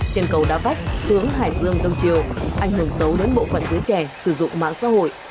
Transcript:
trên cầu đá vách tướng hải dương đông triều ảnh hưởng xấu đến bộ phận giới trẻ sử dụng mạng xã hội